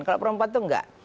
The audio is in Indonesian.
kalau perempuan itu enggak